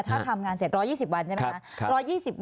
ถ้าทำงานเสร็จ๑๒๐วันใช่ไหมคะ